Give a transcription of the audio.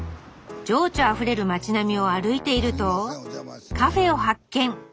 情緒あふれる町並みを歩いているとカフェを発見！